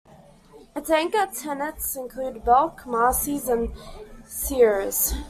Its anchor tenants include Belk, Macy's, and Sears.